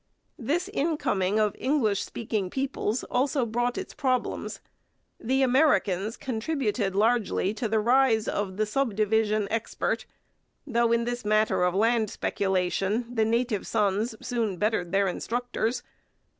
This incoming of English speaking peoples also brought its problems. The Americans contributed largely to the rise of the 'subdivision expert,' though in this matter of land speculation the native sons soon bettered their instructors.